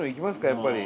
やっぱり。